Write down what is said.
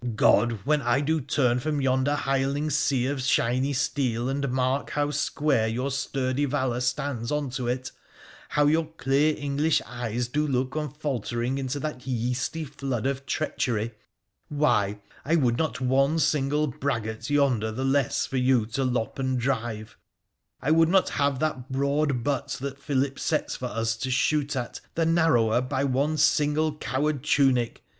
God ! when I do turn from yonder hireling sea of shiny steel and mark how square your sturdy valour stands unto it — how your clear English eyes do look unfaltering into that yeasty flood of treachery — why, I would not one single braggart yonder the less for you to lop and drive ; I would not have that broad butt that Philip sets for us to shoot at the narrower by one single coward tunic